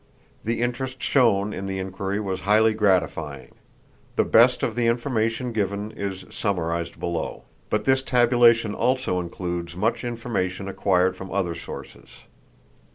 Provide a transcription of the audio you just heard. The interest shown in the inquiry was highly gratifying. The best of the information given is summarized below; but this tabulation also includes much information acquired from other sources.